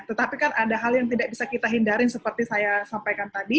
tetapi kan ada hal yang tidak bisa kita hindari seperti saya sampaikan tadi